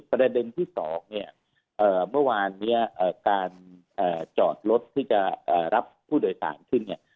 ประเด็นที่๒เนี่ยเมื่อวานนี้การจอดรถที่จะรับผู้โดยสารขึ้นเนี่ย